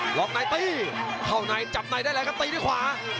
หลอกในตีหลอกในจับในด้วยใหญ่ก็ตีด้วยขวา